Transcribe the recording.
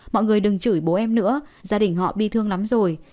mọi người đừng chửi bố em nữa gia đình họ bị thương lắm rồi